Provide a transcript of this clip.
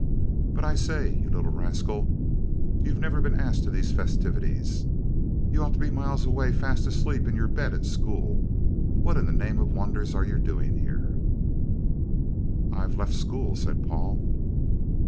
But, I say, you little rascal, you've never been asked to these festivities, you ought to be miles away, fast asleep in your bed at school. What in the name of wonder are you doing here?" "I've left school," said Paul.